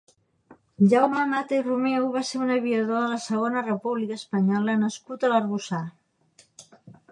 Jaume Mata i Romeu va ser un aviador de la Segona República Espanyola nascut a L'Arboçar.